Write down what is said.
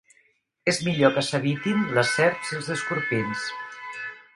És millor que s'evitin les serps i els escorpins.